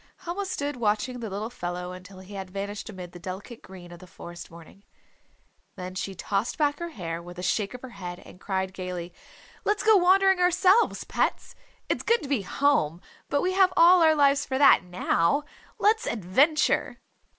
Helma stood watching the little fellow until he had vanished amid the delicate green of the forest morning. Then she tossed back her hair with a shake of her head and cried gayly, "Let's go wandering ourselves, pets. It's good to be home, but we have all our lives for that now. Let's adventure!"